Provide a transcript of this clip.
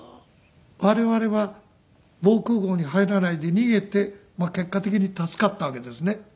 我々は防空壕に入らないで逃げて結果的に助かったわけですね。